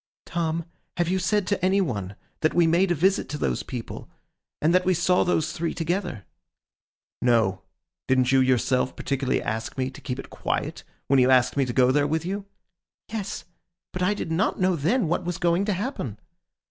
'Tom, have you said to any one that we made a visit to those people, and that we saw those three together?' 'No. Didn't you yourself particularly ask me to keep it quiet when you asked me to go there with you?' 'Yes. But I did not know then what was going to happen.